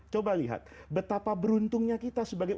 coba lihat betapa beruntungnya kita sebagai